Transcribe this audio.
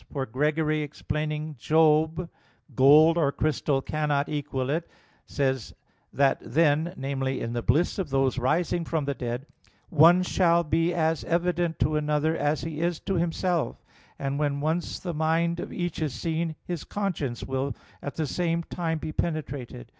For Gregory (Moral. xviii), explaining Job 28:17: "Gold or crystal cannot equal it," says that "then," namely in the bliss of those rising from the dead, "one shall be as evident to another as he is to himself, and when once the mind of each is seen, his conscience will at the same time be penetrated."